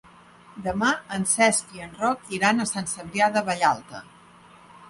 Demà en Cesc i en Roc iran a Sant Cebrià de Vallalta.